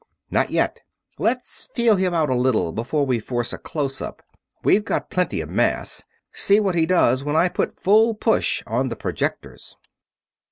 "Not yet; let's feel him out a little before we force a close up. We've got plenty of mass. See what he does when I put full push on the projectors."